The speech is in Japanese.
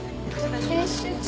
編集長。